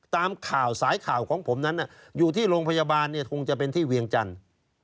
ตามข่าวสายข่าวของผมนั้นอยู่ที่โรงพยาบาลเนี่ยคงจะเป็นที่เวียงจันทร์